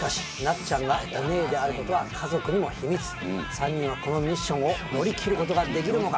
３人はこのミッションを乗り切る事ができるのか？